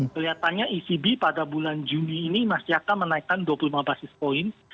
kelihatannya ecb pada bulan juni ini masih akan menaikkan dua puluh lima basis point